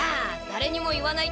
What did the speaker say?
だれにも言わない。